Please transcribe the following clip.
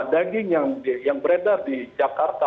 daging yang beredar di jakarta